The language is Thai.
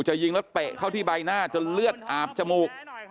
ยิงแล้วเตะเข้าที่ใบหน้าจนเลือดอาบจมูก